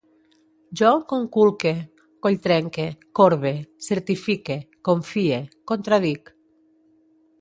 Jo conculque, colltrenque, corbe, certifique, confie, contradic